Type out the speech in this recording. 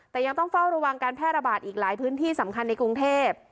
แต่ยังต้องเฝ้าระวังการแพร่ระบาดอีกหลายพื้นที่สำคัญในกรุงเทพ